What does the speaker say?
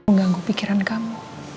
mengganggu pikiran kamu